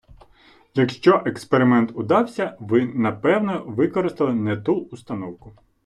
Якщо експеримент удався, ви напевно використали не ту установку.